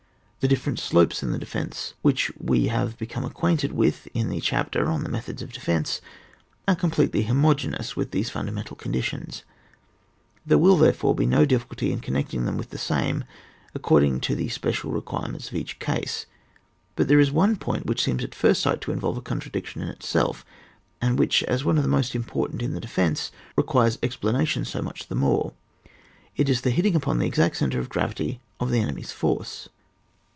The different steps in the defence which we have become acquainted with in the chapter on the methods of defence, are completely homogeneous with these fundamental conditions; there will there fore b.e no difficulty in connecting them with the same, according to the special requirements of each case. But there is one point which seems at first sight to involve a contradiction in itself, and which, as one of the most important in the defence, requires explanation so much the more. It is the hitting upon the exact centre of gravity of ti^e enemy's force.